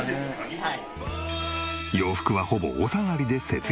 はい。